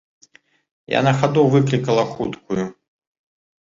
Я на хаду выклікала хуткую.